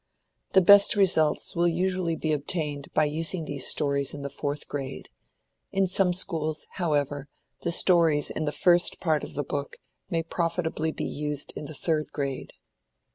The best results will usually be obtained by using these stories in the fourth grade. In some schools, however, the stories in the first part of the book may profitably be used in the third grade.